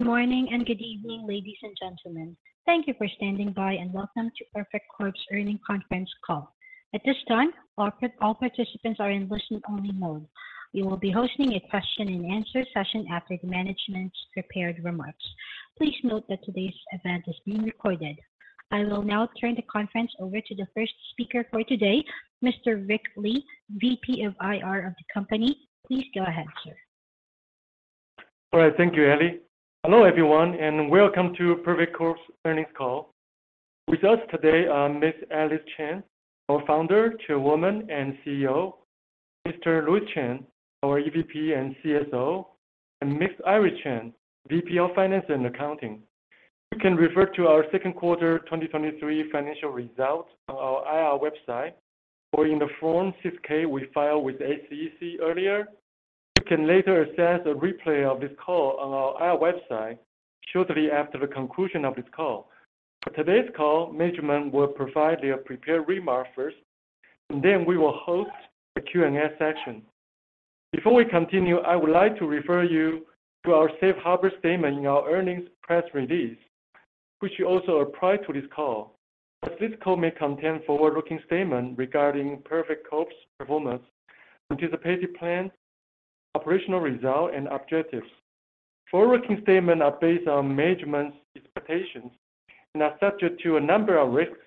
Good morning, and good evening, ladies and gentlemen. Thank you for standing by, and welcome to Perfect Corp.'s Earnings Conference Call. At this time, all participants are in listen-only mode. We will be hosting a question and answer session after the management's prepared remarks. Please note that today's event is being recorded. I will now turn the conference over to the first speaker for today, Mr. Rick Lee, VP of IR of the company. Please go ahead, sir. All right. Thank you, Ellie. Hello, everyone, and welcome to Perfect Corp.'s Earnings Call. With us today are Ms. Alice Chan, our Founder, Chairwoman, and CEO; Mr. Louis Chen, our EVP and CSO; and Ms. Iris Chan, VP of Finance and Accounting. You can refer to our second quarter 2023 financial results on our IR website or in the Form 6-K we filed with the SEC earlier. You can later access a replay of this call on our IR website shortly after the conclusion of this call. For today's call, management will provide their prepared remarks first, and then we will host the Q&A session. Before we continue, I would like to refer you to our safe harbor statement in our earnings press release, which we also apply to this call. As this call may contain forward-looking statements regarding Perfect Corp.'s performance, anticipated plans, operational results, and objectives. Forward-looking statements are based on management's expectations and are subject to a number of risks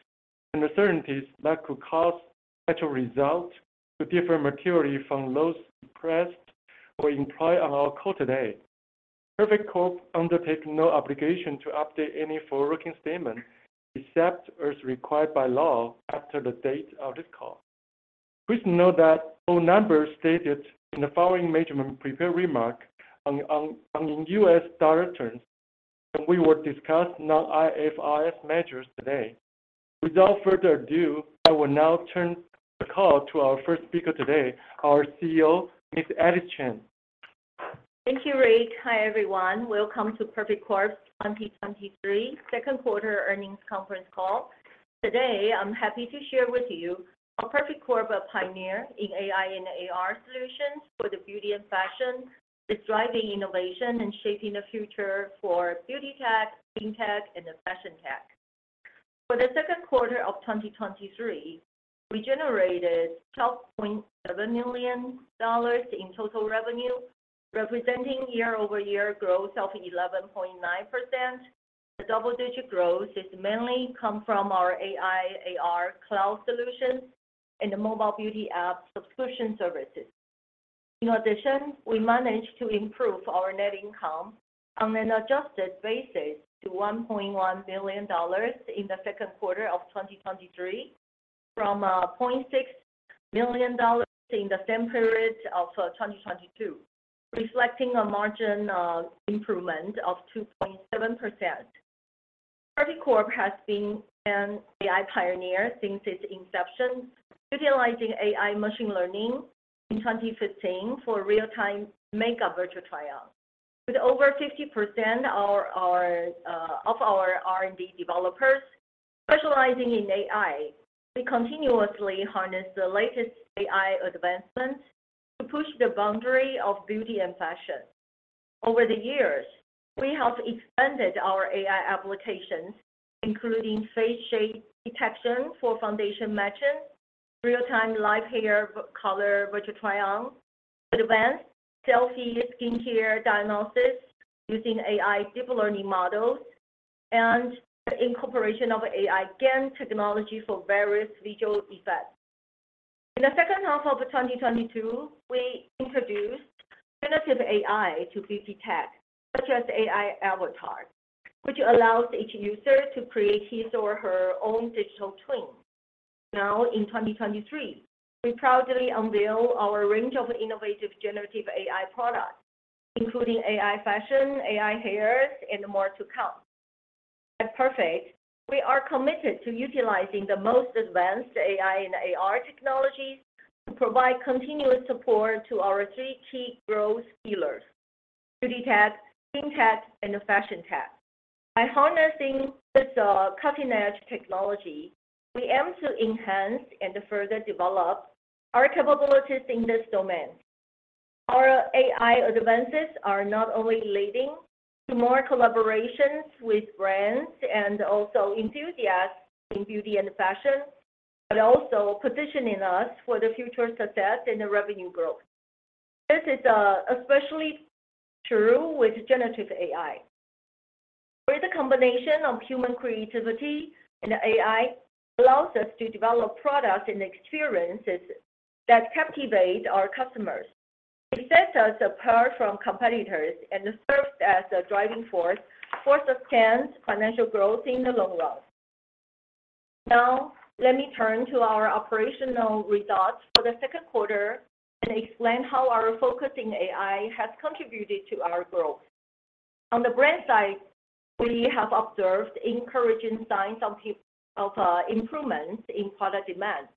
and uncertainties that could cause actual results to differ materially from those expressed or implied on our call today. Perfect Corp. undertake no obligation to update any forward-looking statements except as required by law after the date of this call. Please note that all numbers stated in the following management prepared remark are in US dollar terms, and we will discuss non-IFRS measures today. Without further ado, I will now turn the call to our first speaker today, our CEO, Ms. Alice Chan. Thank you, Rick. Hi, everyone. Welcome to Perfect Corp.'s 2023 second quarter earnings conference call. Today, I'm happy to share with you how Perfect Corp., a pioneer in AI and AR solutions for the beauty and fashion, is driving innovation and shaping the future for beauty tech, skin tech, and the fashion tech. For the second quarter of 2023, we generated $12.7 million in total revenue, representing year-over-year growth of 11.9%. The double-digit growth is mainly come from our AI, AR cloud solutions and the mobile beauty app subscription services. In addition, we managed to improve our net income on an adjusted basis to $1.1 million in the second quarter of 2023, from $0.6 million in the same period of 2022, reflecting a margin improvement of 2.7%. Perfect Corp. has been an AI pioneer since its inception, utilizing AI machine learning in 2015 for real-time makeup virtual trial. With over 50% of our R&D developers specializing in AI, we continuously harness the latest AI advancements to push the boundary of beauty and fashion. Over the years, we have expanded our AI applications, including face shape detection for foundation matching, real-time live hair color virtual try-on, advanced selfie skincare diagnosis using AI deep learning models, and the incorporation of AI GAN technology for various visual effects. In the second half of 2022, we introduced generative AI to beauty tech, such as AI Avatar, which allows each user to create his or her own digital twin. Now, in 2023, we proudly unveil our range of innovative generative AI products, including AI Fashion, AI hairs, and more to come. At Perfect, we are committed to utilizing the most advanced AI and AR technologies to provide continuous support to our three key growth pillars: beauty tech, skin tech, and fashion tech. By harnessing this cutting-edge technology, we aim to enhance and further develop our capabilities in this domain. Our AI advances are not only leading to more collaborations with brands and also enthusiasts in beauty and fashion, but also positioning us for the future success and the revenue growth. This is especially true with generative AI, where the combination of human creativity and AI allows us to develop products and experiences that captivate our customers. It sets us apart from competitors and serves as a driving force for sustained financial growth in the long run. Now, let me turn to our operational results for the second quarter and explain how our focus in AI has contributed to our growth. On the brand side, we have observed encouraging signs of improvements in product demand.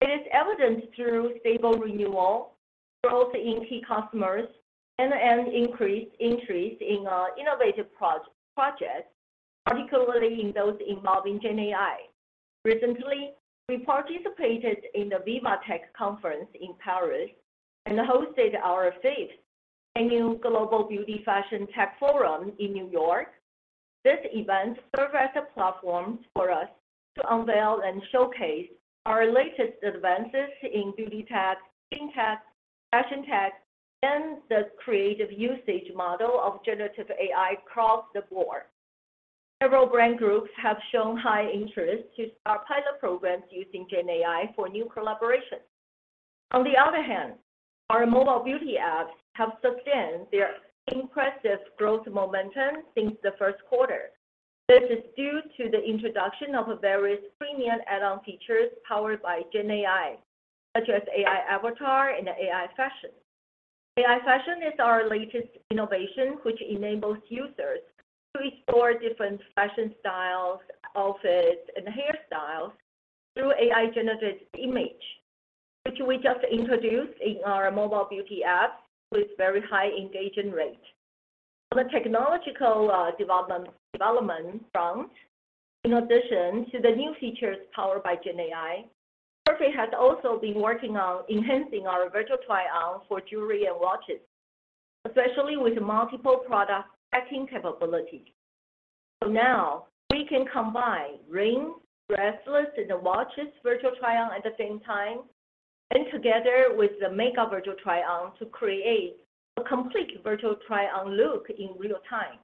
It is evident through stable renewal, growth in key customers, and increased interest in our innovative projects, particularly in those involving GenAI. Recently, we participated in the Viva Technology Conference in Paris and hosted our fifth annual Global Beauty Fashion Tech Forum in New York. This event served as a platform for us to unveil and showcase our latest advances in beauty tech, skin tech, fashion tech, and the creative usage model of generative AI across the board. Several brand groups have shown high interest to start pilot programs using GenAI for new collaborations. Our mobile beauty apps have sustained their impressive growth momentum since the first quarter. This is due to the introduction of various premium add-on features powered by GenAI, such as AI Avatar and AI Fashion. AI Fashion is our latest innovation, which enables users to explore different fashion styles, outfits, and hairstyles through AI-generated image, which we just introduced in our mobile beauty app with very high engagement rate. On the technological development front, in addition to the new features powered by GenAI, Perfect Corp has also been working on enhancing our virtual try-on for jewelry and watches, especially with multiple product tracking capabilities. Now we can combine rings, bracelets, and watches virtual try-on at the same time, and together with the makeup virtual try-on to create a complete virtual try-on look in real time.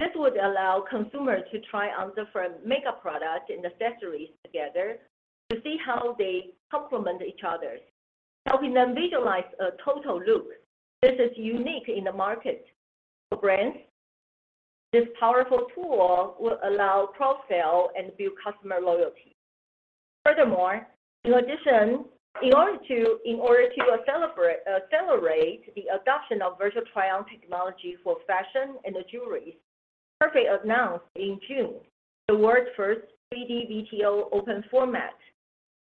This would allow consumers to try on different makeup products and accessories together to see how they complement each other, helping them visualize a total look. This is unique in the market. For brands, this powerful tool will allow cross-sell and build customer loyalty. Furthermore, in addition, in order to celebrate the adoption of virtual try-on technology for fashion and jewelry, Perfect Corp. announced in June the world's first 3D VTO open format,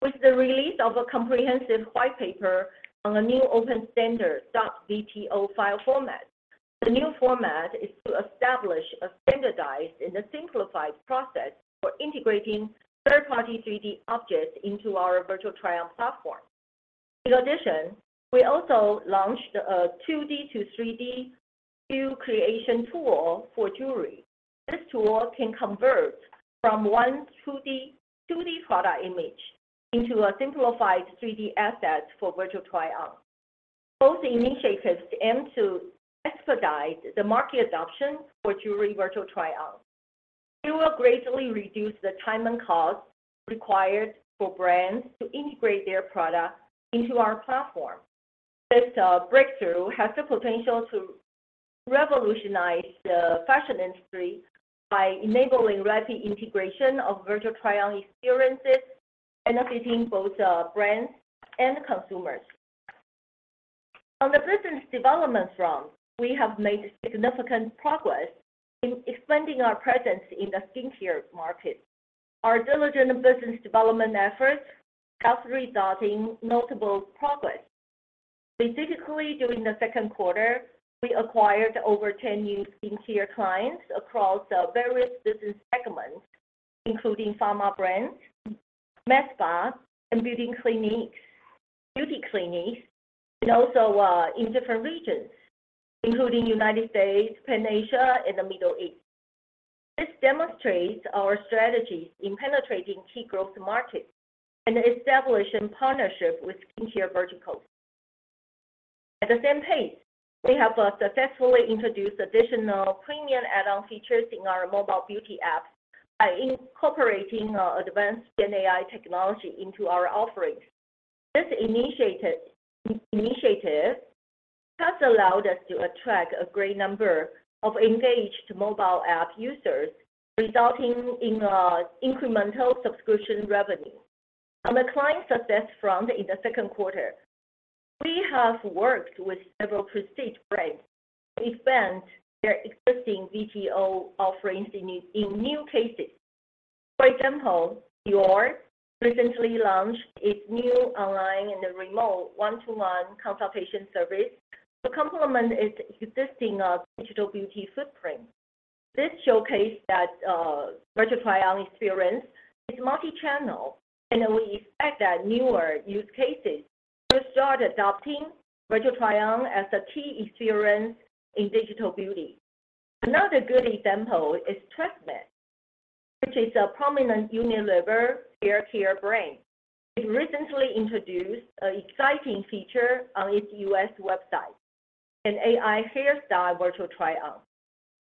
with the release of a comprehensive white paper on a new open standard, .vto file format. The new format is to establish a standardized and a simplified process for integrating third-party 3D objects into our virtual try-on platform. In addition, we also launched a 2D-to-3D view creation tool for jewelry. This tool can convert from one 2D product image into a simplified 3D asset for virtual try-on. Both initiatives aim to expedite the market adoption for jewelry virtual try-on. It will greatly reduce the time and cost required for brands to integrate their product into our platform. This breakthrough has the potential to revolutionize the fashion industry by enabling rapid integration of virtual try-on experiences, benefiting both brands and consumers. On the business development front, we have made significant progress in expanding our presence in the skincare market. Our diligent business development efforts have resulted in multiple progress. Specifically, during the second quarter, we acquired over 10 new skincare clients across various business segments, including pharma brands, med spa, and beauty clinics, and also in different regions, including United States, Pan Asia, and the Middle East. This demonstrates our strategy in penetrating key growth markets and establishing partnership with skincare verticals. At the same pace, we have successfully introduced additional premium add-on features in our mobile beauty app by incorporating advanced GenAI technology into our offerings. This initiative has allowed us to attract a great number of engaged mobile app users, resulting in incremental subscription revenue. On the client success front, in the second quarter, we have worked with several prestige brands to expand their existing VTO offerings in new cases. For example, Dior recently launched its new online and remote one-to-one consultation service to complement its existing digital beauty footprint. This showcase that virtual try-on experience is multi-channel, and we expect that newer use cases will start adopting virtual try-on as a key experience in digital beauty. Another good example is TRESemmé, which is a prominent Unilever hair care brand. It recently introduced an exciting feature on its U.S. website, an AI hairstyle virtual try-on.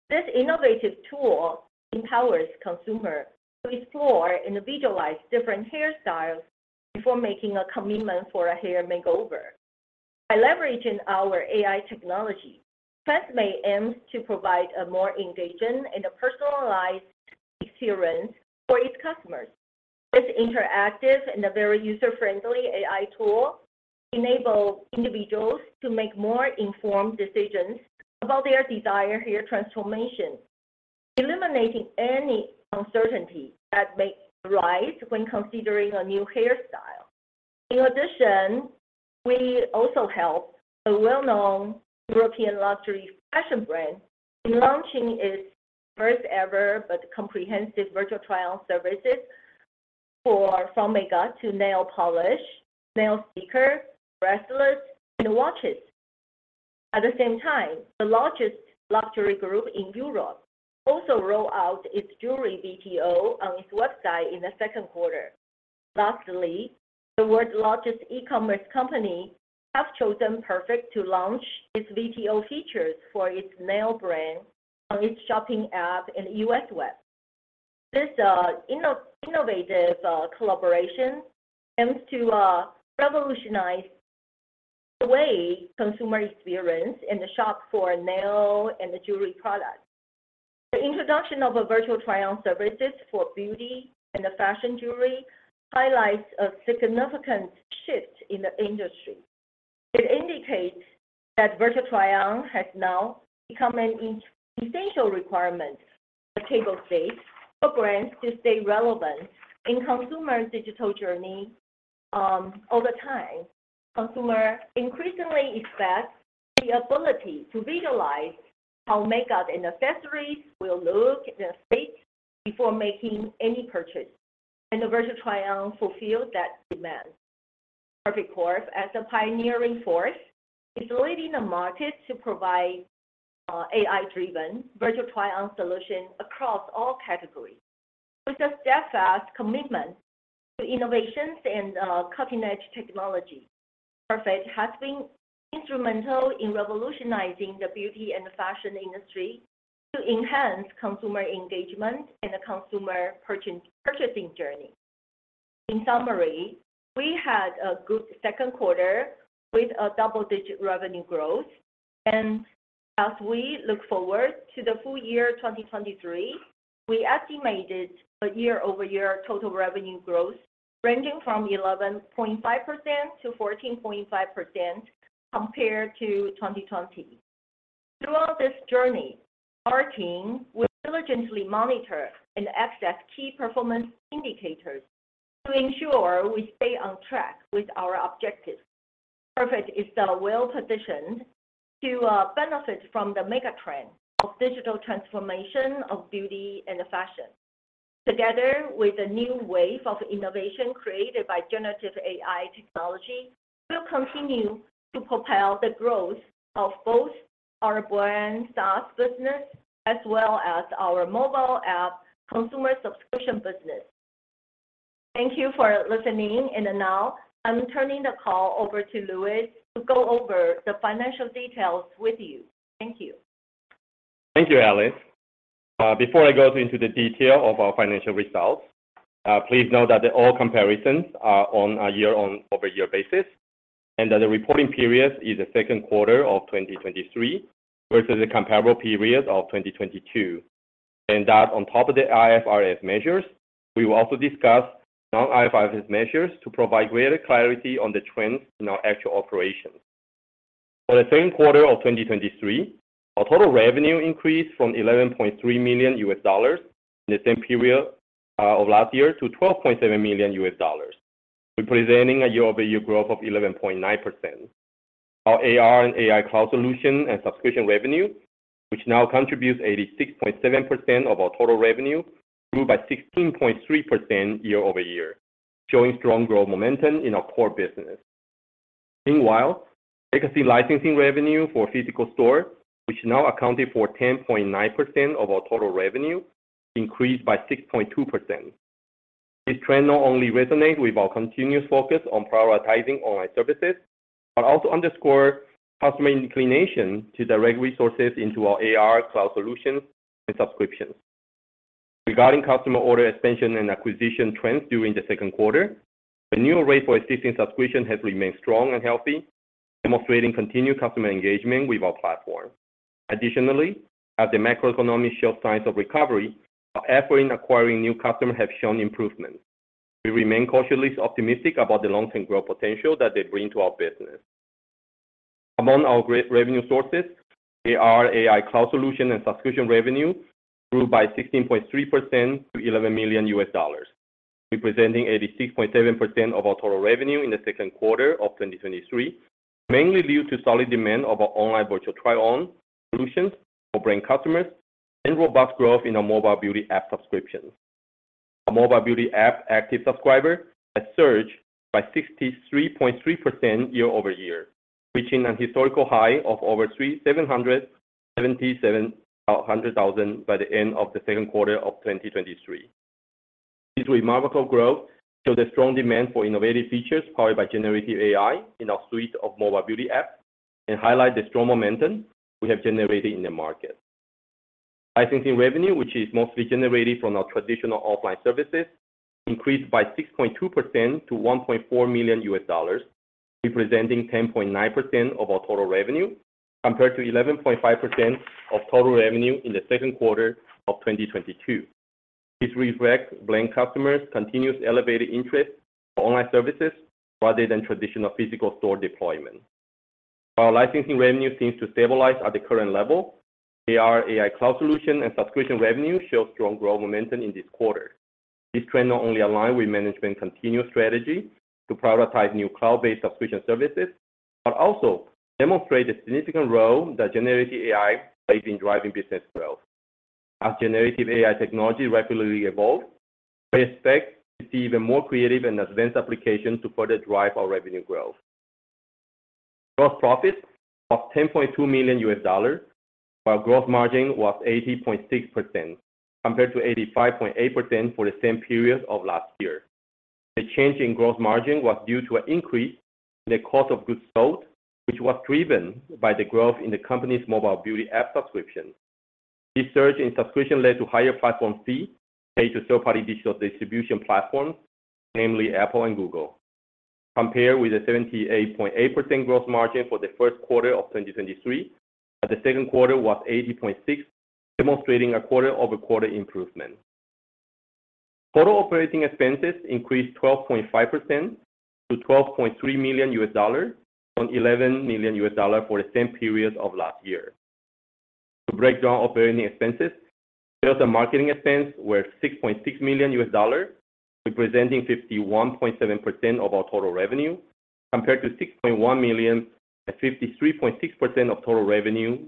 This innovative tool empowers consumer to explore and visualize different hairstyles before making a commitment for a hair makeover. By leveraging our AI technology, TRESemmé aims to provide a more engaging and a personalized experience for its customers. This interactive and a very user-friendly AI tool enables individuals to make more informed decisions about their desired hair transformation, eliminating any uncertainty that may arise when considering a new hairstyle. In addition, we also helped a well-known European luxury fashion brand in launching its first-ever, but comprehensive virtual trial services for from makeup to nail polish, nail sticker, bracelets, and watches. At the same time, the largest luxury group in Europe also roll out its jewelry VTO on its website in the second quarter. Lastly, the world's largest e-commerce company have chosen Perfect to launch its VTO features for its nail brand on its shopping app in U.S. web. This innovative collaboration aims to revolutionize the way consumer experience in the shop for nail and the jewelry products. The introduction of a virtual try-on services for beauty and the fashion jewelry highlights a significant shift in the industry. It indicates that virtual try-on has now become an essential requirement, a table stake for brands to stay relevant in consumer's digital journey. Over time, consumer increasingly expect the ability to visualize how makeup and accessories will look and fit before making any purchase, and the virtual try-on fulfills that demand. Perfect Corp, as a pioneering force, is leading the market to provide AI-driven virtual try-on solutions across all categories. With a steadfast commitment to innovations and cutting-edge technology, Perfect has been instrumental in revolutionizing the beauty and the fashion industry to enhance consumer engagement and the consumer purchasing journey. In summary, we had a good second quarter with a double-digit revenue growth, and as we look forward to the full year 2023, we estimated a year-over-year total revenue growth ranging from 11.5% to 14.5% compared to 2020. Throughout this journey, our team will diligently monitor and assess key performance indicators to ensure we stay on track with our objectives. Perfect is well-positioned to benefit from the mega trend of digital transformation of beauty and fashion. Together with the new wave of innovation created by generative AI technology, we'll continue to propel the growth of both our brand SaaS business as well as our mobile app consumer subscription business. Thank you for listening, and now I'm turning the call over to Louis to go over the financial details with you. Thank you. Thank you, Alice. Before I go into the detail of our financial results, please note that all comparisons are on a year-over-year basis. The reporting period is the second quarter of 2023 versus the comparable period of 2022. On top of the IFRS measures, we will also discuss non-IFRS measures to provide greater clarity on the trends in our actual operations. For the second quarter of 2023, our total revenue increased from $11.3 million in the same period of last year to $12.7 million, representing a year-over-year growth of 11.9%. Our AR and AI cloud solution and subscription revenue, which now contributes 86.7% of our total revenue, grew by 16.3% year-over-year, showing strong growth momentum in our core business. Meanwhile, legacy licensing revenue for physical store, which now accounted for 10.9% of our total revenue, increased by 6.2%. This trend not only resonate with our continuous focus on prioritizing online services, but also underscore customer inclination to direct resources into our AR, cloud solutions, and subscriptions. Regarding customer order expansion and acquisition trends during the second quarter, the renewal rate for existing subscription has remained strong and healthy, demonstrating continued customer engagement with our platform. Additionally, as the macroeconomic show signs of recovery, our effort in acquiring new customers have shown improvement. We remain cautiously optimistic about the long-term growth potential that they bring to our business. Among our great revenue sources, AR, AI, cloud solution, and subscription revenue grew by 16.3% to $11 million, representing 86.7% of our total revenue in the second quarter of 2023, mainly due to solid demand of our online virtual try-on solutions for brand customers and robust growth in our mobile beauty app subscriptions. Our mobile beauty app active subscriber has surged by 63.3% year-over-year, reaching a historical high of over 777,000 by the end of the second quarter of 2023. This remarkable growth show the strong demand for innovative features powered by generative AI in our suite of mobile beauty apps and highlight the strong momentum we have generated in the market. Licensing revenue, which is mostly generated from our traditional offline services, increased by 6.2% to $1.4 million, representing 10.9% of our total revenue, compared to 11.5% of total revenue in 2Q 2022. This reflects brand customers' continuous elevated interest for online services rather than traditional physical store deployment. While licensing revenue seems to stabilize at the current level, AR/AI cloud solution and subscription revenue show strong growth momentum in this quarter. This trend not only align with management continuous strategy to prioritize new cloud-based subscription services, but also demonstrate the significant role that generative AI plays in driving business growth. As generative AI technology regularly evolve, we expect to see even more creative and advanced applications to further drive our revenue growth. Gross profit of $10.2 million, while gross margin was 80.6%, compared to 85.8% for the same period of last year. The change in gross margin was due to an increase in the cost of goods sold, which was driven by the growth in the company's mobile beauty app subscription. This surge in subscription led to higher platform fee paid to third-party digital distribution platforms, namely Apple and Google. Compared with the 78.8% gross margin for the first quarter of 2023, the second quarter was 80.6%, demonstrating a quarter-over-quarter improvement. Total operating expenses increased 12.5% to $12.3 million, from $11 million for the same period of last year. To break down operating expenses, sales and marketing expense were $6.6 million, representing 51.7% of our total revenue, compared to $6.1 million and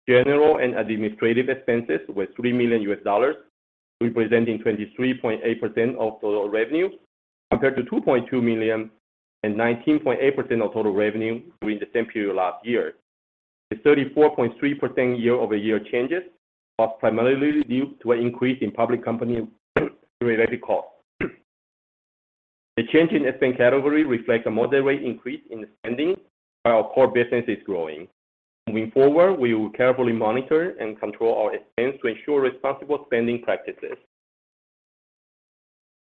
53.6% of total revenue during the same period last year. The 7.9% year-over-year changes was primarily due to increase in promotion and user acquisition expenses. Research and development expense were $2.8 million, representing 21.8% of total revenue, compared to $2.6 million and 23.3% of total revenue during the same period last year. General and administrative expenses were $3 million, representing 23.8% of total revenue, compared to $2.2 million and 19.8% of total revenue during the same period last year. The 34.3% year-over-year changes was primarily due to an increase in public company related cost. The change in expense category reflects a moderate increase in spending while our core business is growing. Moving forward, we will carefully monitor and control our expense to ensure responsible spending practices.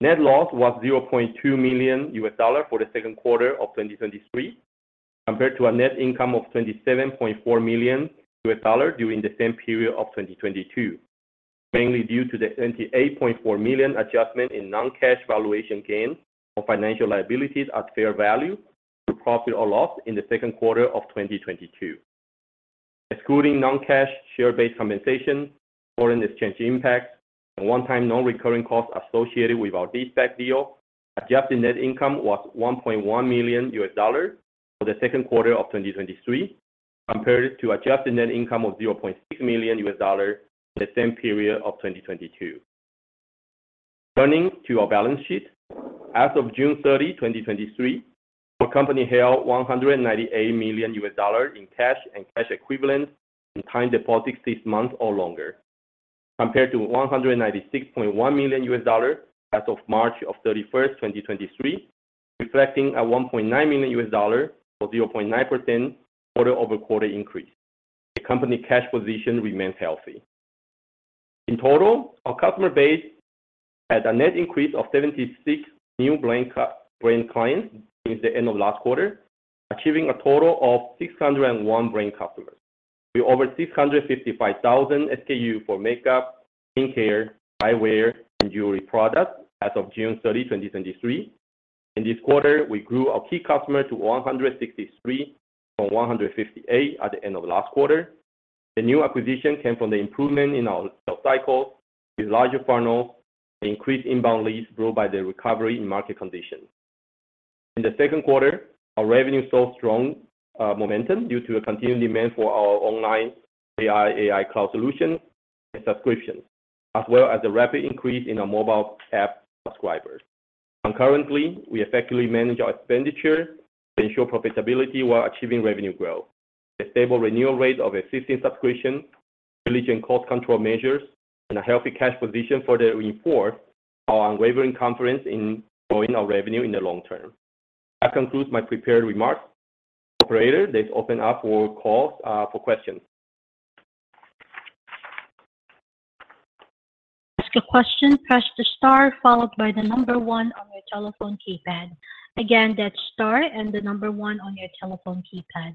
Net loss was $0.2 million for the second quarter of 2023, compared to a net income of $27.4 million during the same period of 2022, mainly due to the $28.4 million adjustment in non-cash valuation gain of financial liabilities at fair value to profit or loss in the second quarter of 2022. Excluding non-cash share-based compensation, foreign exchange impact, and one-time non-recurring costs associated with our de-SPAC deal, adjusted net income was $1.1 million for the second quarter of 2023, compared to adjusted net income of $0.6 million in the same period of 2022. Turning to our balance sheet. As of June 30th, 2023, our company held $198 million in cash and cash equivalents and time deposits 6 months or longer, compared to $196.1 million as of March 31st, 2023, reflecting a $1.9 million, or 0.9%, quarter-over-quarter increase. The company cash position remains healthy. In total, our customer base had a net increase of 76 new brand clients since the end of last quarter, achieving a total of 601 brand customers. We over 655,000 SKU for makeup, skincare, eyewear, and jewelry products as of June 30th, 2023. In this quarter, we grew our key customer to 163 from 158 at the end of last quarter. The new acquisition came from the improvement in our sales cycle, with larger funnels and increased inbound leads grew by the recovery in market conditions. In the second quarter, our revenue saw strong momentum due to a continued demand for our online AR/AI cloud solutions and subscriptions, as well as a rapid increase in our mobile app subscribers. Concurrently, we effectively manage our expenditure to ensure profitability while achieving revenue growth. The stable renewal rate of existing subscription, strategic cost control measures, and a healthy cash position further reinforce our unwavering confidence in growing our revenue in the long term. That concludes my prepared remarks. Operator, let's open up for calls for questions. Ask a question, press the star followed by the number one on your telephone keypad. Again, that's star and the number 1 on your telephone keypad.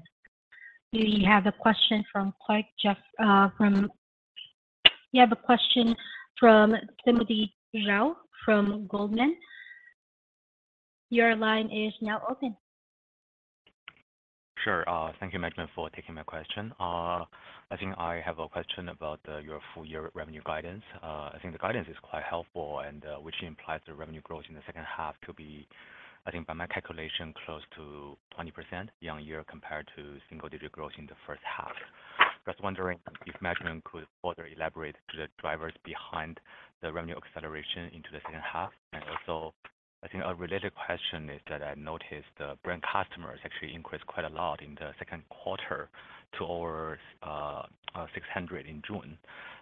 We have a question from Clark Jeffries. We have a question from Timothy Zhao from Goldman. Your line is now open. Sure. Thank you, management, for taking my question. I think I have a question about your full year revenue guidance. I think the guidance is quite helpful and which implies the revenue growth in the second half to be, I think by my calculation, close to 20% year-on-year, compared to single-digit growth in the first half. Just wondering if management could further elaborate to the drivers behind the revenue acceleration into the second half? I think a related question is that I noticed the brand customers actually increased quite a lot in the second quarter to over 600 in June.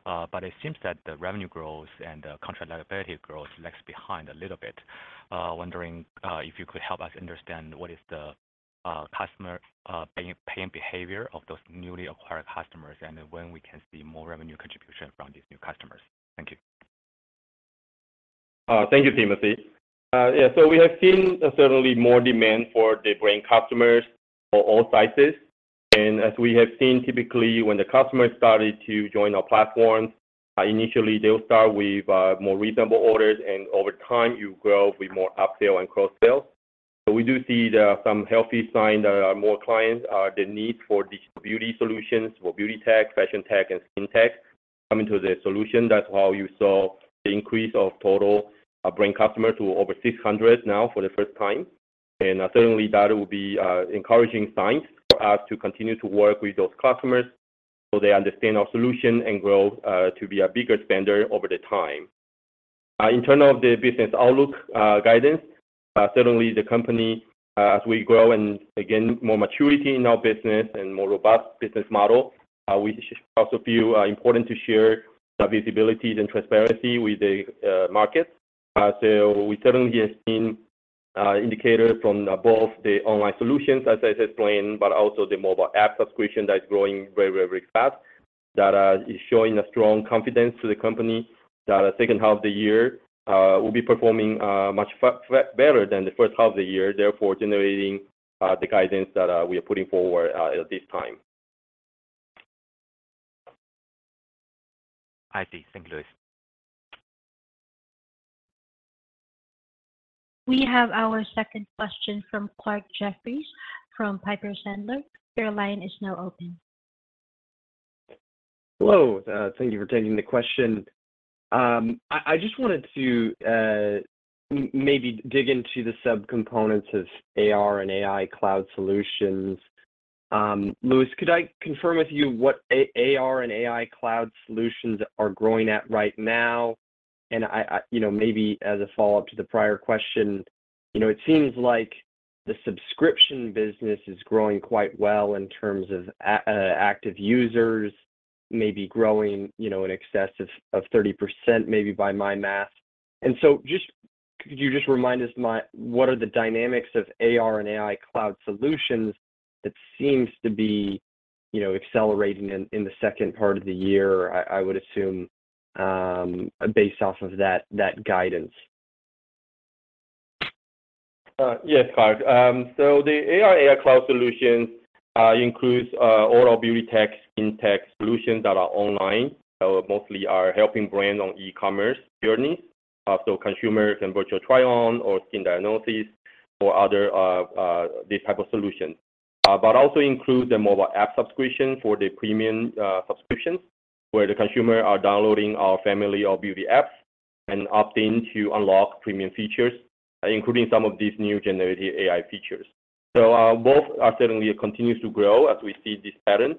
It seems that the revenue growth and the contract liability growth lags behind a little bit. Wondering if you could help us understand what is the customer, paying behavior of those newly acquired customers, and then when we can see more revenue contribution from these new customers. Thank you. Thank you, Timothy. We have seen certainly more demand for the brand customers for all sizes. As we have seen, typically, when the customer started to join our platform, initially they'll start with more reasonable orders, and over time, you grow with more upsale and cross sales. We do see there are some healthy signs. There are more clients, the need for these beauty solutions, for beauty tech, fashion tech, and skin tech coming to the solution. That's how you saw the increase of total brand customer to over 600 now for the first time. Certainly that will be encouraging signs for us to continue to work with those customers, so they understand our solution and grow to be a bigger spender over the time. In terms of the business outlook, guidance, certainly the company, as we grow and again, more maturity in our business and more robust business model, we also feel important to share the visibilities and transparency with the market. We certainly have seen indicators from both the online solutions, as I explained, but also the mobile app subscription that's growing very fast, that is showing a strong confidence to the company that a second half of the year will be performing much better than the first half of the year, therefore generating the guidance that we are putting forward at this time. I see. Thank you, Louis. We have our second question from Clark Jeffries, from Piper Sandler. Your line is now open. Hello, thank you for taking the question. I just wanted to maybe dig into the subcomponents of AR and AI cloud solutions. Louis, could I confirm with you what AR and AI cloud solutions are growing at right now? I... You know, maybe as a follow-up to the prior question, you know, it seems like the subscription business is growing quite well in terms of active users, maybe growing, you know, in excess of 30%, maybe by my math. Just could you just remind us, my, what are the dynamics of AR and AI cloud solutions that seems to be, you know, accelerating in the second part of the year, I would assume, based off of that guidance? Yes, Clark. The AR/AI cloud solution includes all our beauty tech, skin tech solutions that are online, mostly are helping brands on e-commerce journey. Consumers and virtual try-on or skin diagnosis or other these type of solutions. But also includes the mobile app subscription for the premium subscriptions, where the consumer are downloading our family of beauty apps and opt in to unlock premium features, including some of these new generative AI features. Both are certainly continues to grow as we see this pattern.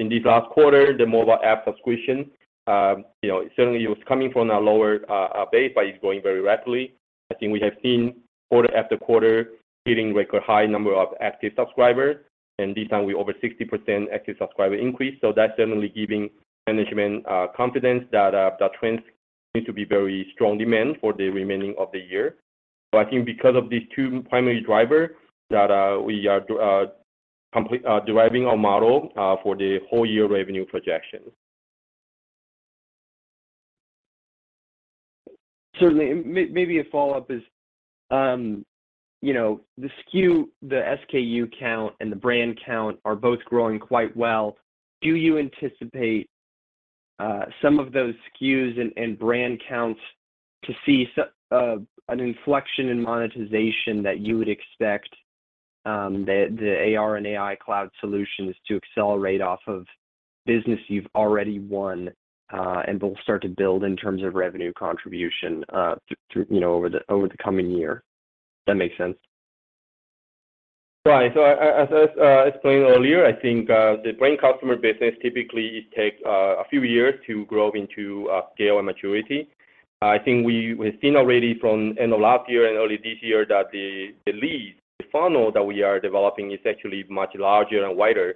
In this last quarter, the mobile app subscription, you know, certainly it was coming from a lower base, but it's going very rapidly. I think we have seen quarter after quarter hitting record high number of active subscribers, and this time, we over 60% active subscriber increase. That's definitely giving management confidence that the trends seems to be very strong demand for the remaining of the year. I think because of these two primary driver, that we are complete deriving our model for the whole year revenue projection. Certainly. Maybe a follow-up is, you know, the SKU count, and the brand count are both growing quite well. Do you anticipate some of those SKUs and brand counts to see an inflection in monetization that you would expect the AR and AI cloud solutions to accelerate off of business you've already won, and will start to build in terms of revenue contribution through, you know, over the coming year? That makes sense. As I explained earlier, I think the brand customer business typically takes a few years to grow into scale and maturity. I think we've seen already from in the last year and early this year, that the lead, the funnel that we are developing is actually much larger and wider.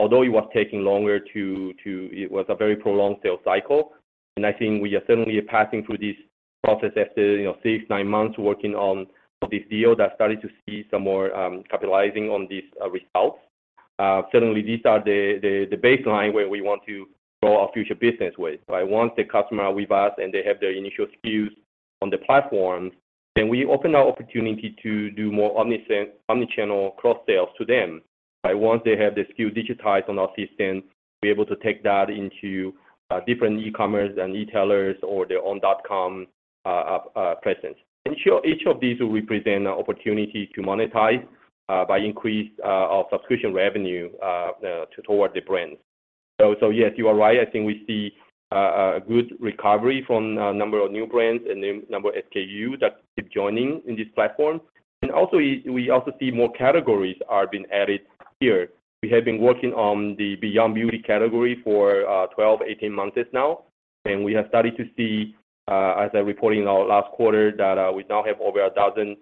Although it was taking longer. It was a very prolonged sales cycle, and I think we are certainly passing through this process after, you know, six, nine months working on this deal that started to see some more capitalizing on these results. Certainly, these are the baseline where we want to grow our future business with. I want the customer with us, and they have their initial SKUs on the platform, then we open our opportunity to do more omni-channel cross sales to them. I want to have the SKU digitized on our system, be able to take that into different e-commerce and e-tailers or their own dot-com presence. Ensure each of these will represent an opportunity to monetize by increase our subscription revenue to toward the brand. Yes, you are right. I think we see a good recovery from a number of new brands and then number of SKU that keep joining in this platform. Also, we also see more categories are being added here. We have been working on the beyond beauty category for 12, 18 months now, and we have started to see, as I reported in our last quarter, that we now have over 1,000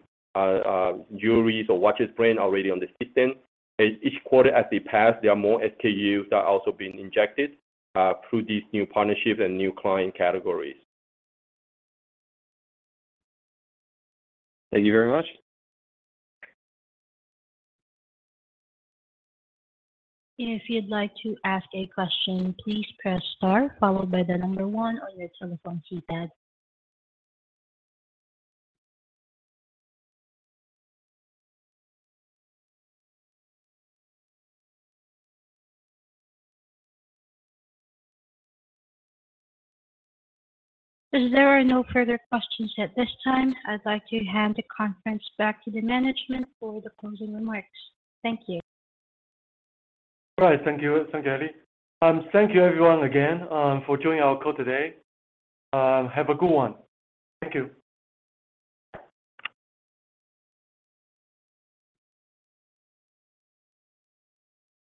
jewelries or watches brand already on the system. Each quarter as they pass, there are more SKUs that are also being injected through these new partnerships and new client categories. Thank you very much. If you'd like to ask a question, please press Star, followed by 1 on your telephone keypad. As there are no further questions at this time, I'd like to hand the conference back to the management for the closing remarks. Thank you. All right. Thank you. Thank you, Ellie. Thank you everyone again, for joining our call today. Have a good one. Thank you.